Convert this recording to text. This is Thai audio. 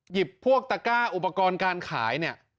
พวกตะก้าอุปกรณ์การขายเนี่ย